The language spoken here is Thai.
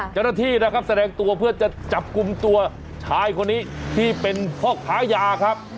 เจ้าหน้าที่นะครับแสดงตัวเพื่อจะจับกลุ่มตัวชายคนนี้ที่เป็นพ่อค้ายาครับ